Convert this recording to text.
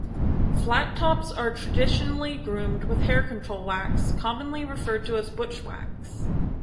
Flattops are traditionally groomed with hair control wax, commonly referred to as butch wax.